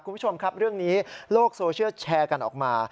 คุณผู้ชมครับเรื่องนี้โลกโซเชียลแชร์กันออกมา